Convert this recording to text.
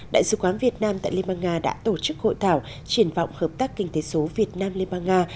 đại sứ quán việt nam tại liên bang nga đã tổ chức hội thảo triển vọng hợp tác kinh tế số việt nam liên bang nga